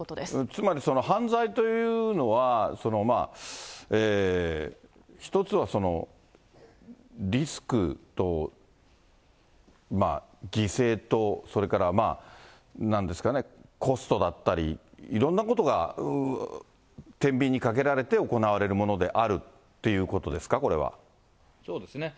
つまりその犯罪というのは、１つはそのリスクと犠牲と、それからなんですかね、コストだったり、いろんなことがてんびんにかけられて行われるものであるっていうそうですね。